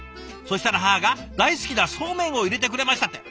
そしたら母が大好きなそうめんを入れてくれました」